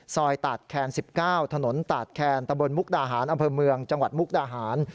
ตาดแคน๑๙ถนนตาดแคนตะบนมุกดาหารอำเภอเมืองจังหวัดมุกดาหาร